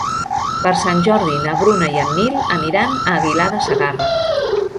Per Sant Jordi na Bruna i en Nil aniran a Aguilar de Segarra.